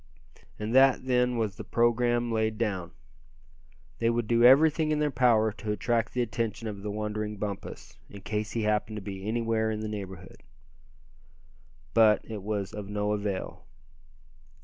And that, then, was the programme laid down. They would do everything in their power to attract the attention of the wandering Bumpus, in case he happened to be anywhere in the neighborhood. But it was all of no avail.